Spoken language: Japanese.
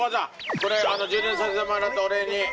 これ充電させてもらったお礼に。